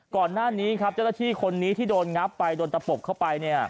ก่อนหน้านี้ครับเจ้าหน้าที่คนนี้ที่โดนงับไปโดนตะปบเข้าไป